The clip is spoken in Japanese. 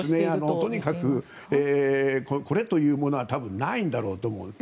とにかくこれというものは多分ないんだろうと思うんです。